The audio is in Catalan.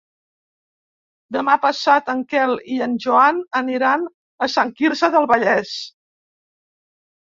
Demà passat en Quel i en Joan aniran a Sant Quirze del Vallès.